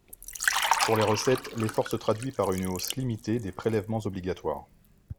Pour les recettes, l’effort se traduit par une hausse limitée des prélèvements obligatoires.